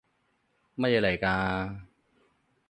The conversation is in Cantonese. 乜嘢嚟㗎？